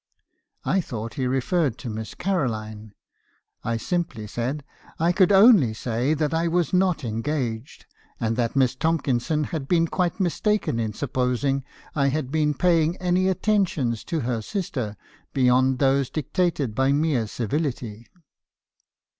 "I thought he referred to Miss Caroline. I simply said I could only say that I was not engaged; and that Miss Tomkinson had been quite mistaken in supposing I had been paying any attentions to her sister beyond those dictated by mere civility.